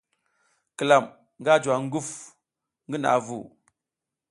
Klam nga juwa nguf ngi naʼa vu.